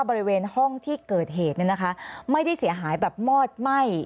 บริเวณห้องที่เกิดเหตุไม่ได้เสียหายแบบมอดไหม้